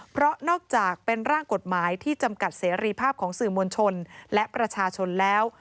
เพราะนอกจากเป็นร่างกฎหมายที่จำกัดเสรีภาพของสื่อมวลชนและประชาชนแล้ว